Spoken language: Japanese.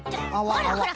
ほらほら